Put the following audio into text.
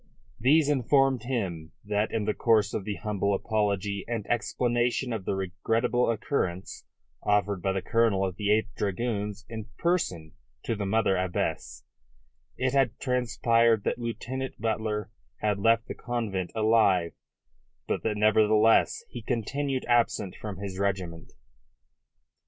These informed him that in the course of the humble apology and explanation of the regrettable occurrence offered by the Colonel of the 8th Dragoons in person to the Mother Abbess, it had transpired that Lieutenant Butler had left the convent alive, but that nevertheless he continued absent from his regiment.